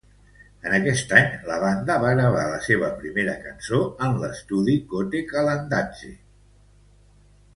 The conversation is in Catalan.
En aquest any, la banda va gravar la seva primera cançó en l'estudi "kote kalandadze".